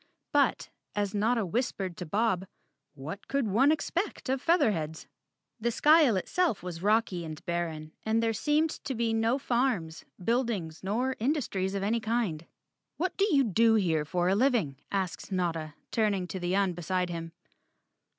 But, as Notta whispered to Bob, what could one expect of Featherheads? The skyle itself was rocky and barren and there seemed to be no farms, buildings nor industries of any kind. "What do you do here for a living?" asked Notta, turning to the Un beside him.